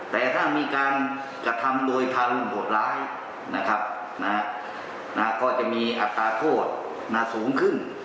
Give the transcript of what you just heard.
แต่ถ้ามีการกระทำโดยทารุณปวดร้ายก็จะมีอัตราโทษสูงขึ้น